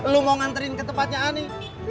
lo mau nganterin ke tempatnya ani